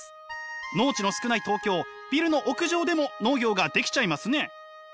農地の少ない東京ビルの屋上でも農業ができちゃいますね！